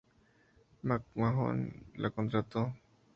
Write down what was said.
McMahon la contrató.